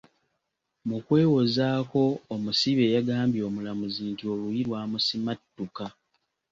Mu kwewozaako omusibe yagambye omulamuzi nti oluyi lwamusimattuka.